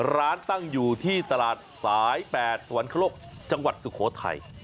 ร้านตั้งอยู่ที่ตลาดสาย๘สวรรคโลกจังหวัดสุโขทัย